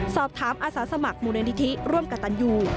สอบถามอาสาสมัครมูลนิธิร่วมกับตันยู